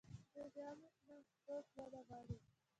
دوی د عامه ټرانسپورټ وده غواړي.